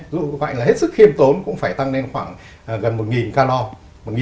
dù như vậy là hết sức khiêm tốn cũng phải tăng lên khoảng gần một calor